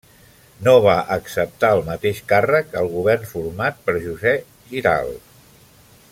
No va acceptar el mateix càrrec al govern format per José Giral.